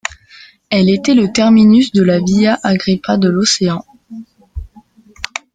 Elle était le terminus de la via Agrippa de l'Océan.